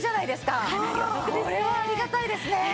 これはありがたいですね。